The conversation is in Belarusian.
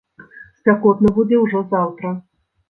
Спякотна будзе ўжо заўтра.